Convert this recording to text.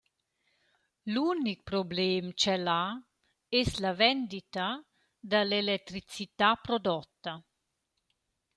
L’unic problem ch’el ha es la vendita da l’electricità prodotta.